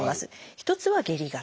一つは「下痢型」。